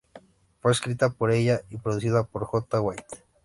Fue escrita por ella y producida por J. White.